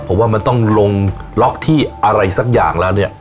ผมว่ามันต้องลงล็อกที่อะไรสักอย่างแล้วเนี่ย